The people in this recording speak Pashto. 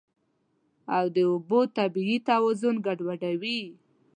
او د اوبو طبیعي توازن ګډوډوي.